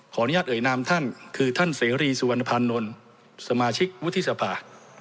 อนุญาตเอ่ยนามท่านคือท่านเสรีสุวรรณภานนท์สมาชิกวุฒิสภา